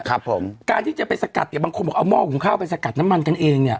ครับผมการที่จะไปสกัดเนี่ยบางคนบอกเอาหม้อหุงข้าวไปสกัดน้ำมันกันเองเนี้ย